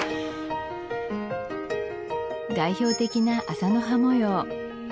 代表的な麻の葉模様